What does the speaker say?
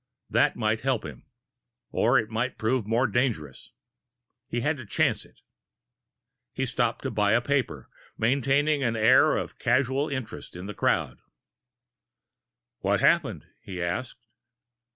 That might help him or it might prove more dangerous. He had to chance it. He stopped to buy a paper, maintaining an air of casual interest in the crowd. "What happened?" he asked.